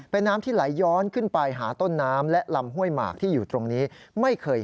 เป็นน้ำที่ไหลย้อนขึ้นไปหาต้นน้ำและลำห้วยหมากที่อยู่ตรงนี้ไม่เคย